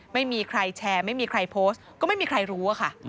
ไม่มีใครแชร์ไม่มีใครโพสต์ก็ไม่มีใครรู้อะค่ะ